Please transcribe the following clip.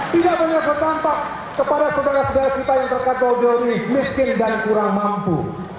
tidak banyak berdampak kepada saudara saudara kita yang terkatau di sini miskin dan kurang mampu